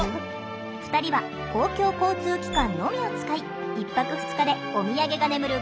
２人は公共交通機関のみを使い１泊２日でおみやげが眠る